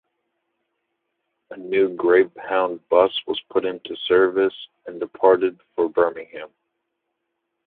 A new Greyhound bus was put into service and departed for Birmingham.